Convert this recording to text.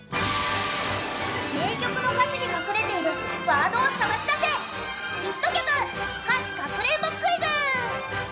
名曲の歌詞に隠れているワードを探し出せ、「ヒット曲歌詞かくれんぼクイズ」。